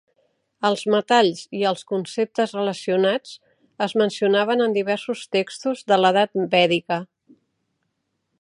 Els metalls i els conceptes relacionats es mencionaven en diversos textos de l'edat vèdica.